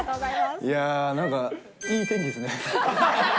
いやー、なんか、いい天気ですね。